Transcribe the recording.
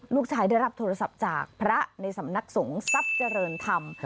ได้รับโทรศัพท์จากพระในสำนักสงฆ์ทรัพย์เจริญธรรม